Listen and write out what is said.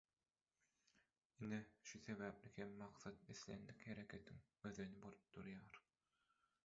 Ine şu sebäpli hem maksat islendik hereketiň özeni bolup durýar.